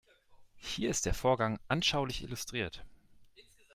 Hier ist der Vorgang anschaulich illustriert.